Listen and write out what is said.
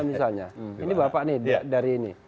misalnya ini bapak nih dari ini